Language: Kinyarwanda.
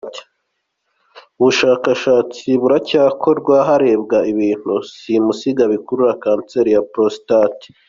Ubushakashatsi buracyakorwa harebwa ibintu simusiga bikurura kanseri ya prostate.